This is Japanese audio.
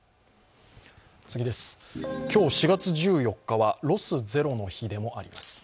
今日、４月１４日はロスゼロの日でもあります。